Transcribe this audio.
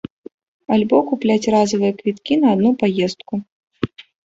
Альбо купляць разавыя квіткі на адну паездку.